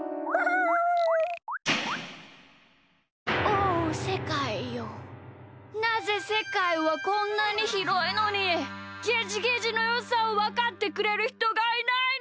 おおせかいよなぜせかいはこんなにひろいのにゲジゲジのよさをわかってくれるひとがいないのだ！